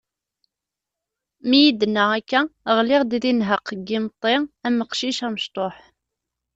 Mi yi-d-tenna akka, ɣliɣ-d deg nnheq n yimeṭṭi am uqcic amecṭuḥ.